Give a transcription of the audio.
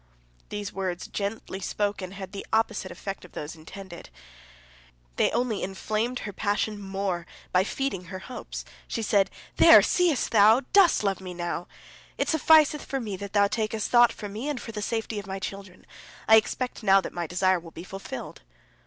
These words, gently spoken, had the opposite effect from that intended. They only inflamed her passion the more by feeding her hopes. She said: "There, seest thou, thou dost love me now! It sufficeth for me that thou takest thought for me and for the safety of my children. I expect now that my desire will be fulfilled."